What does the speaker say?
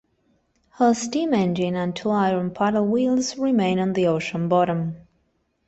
Her steam engine and two iron paddle wheels remain on the ocean bottom.